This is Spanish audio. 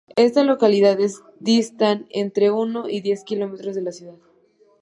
Estas localidades distan entre uno y diez kilómetros de la ciudad.